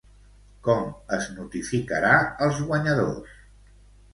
Com es notificarà als guanyadors?